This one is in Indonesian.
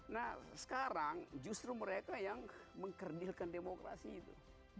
nah sekarang justru mereka yang mengkerdilkan demokrasi itu